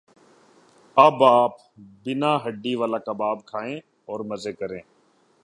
اب آپ بینا ہڈی والا کباب کھائیں اور مزے کریں